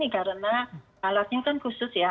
karena alatnya kan khusus ya